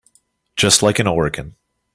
Just like an organ.